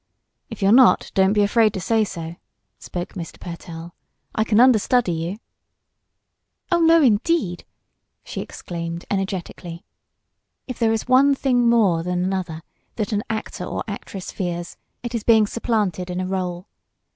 "If you're not, don't be afraid to say so," spoke Mr. Pertell. "I can understudy you " "Oh, no, indeed!" she exclaimed, energetically. If there is one thing more than another that an actor or actress fears, it is being supplanted in a rôle.